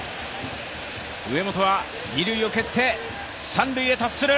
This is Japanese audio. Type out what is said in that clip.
上本は、二塁を蹴って、三塁へ達する。